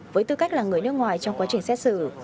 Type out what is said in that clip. với tư cách là người nước ngoài trong quá trình xét xử